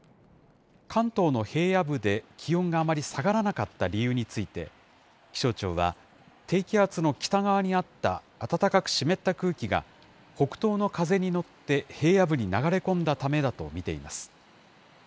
関東の平野部で気温があまり下がらなかった理由について、気象庁は、低気圧の北側にあった暖かく湿った空気が北東の風に乗って平野部に流れ込んだためだと見ています。